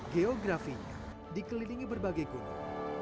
geografinya dikelilingi berbagai gunung